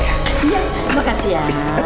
iya makasih ya